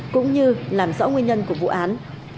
cũng như làm rõ nguyên nhân của vụ án